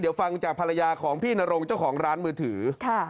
เดี๋ยวฟังจากภรรยาของพี่นรงเจ้าของร้านมือถือ